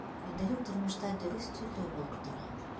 Көндәлек тормошта, дөрөҫ, төрлөһө булып тора.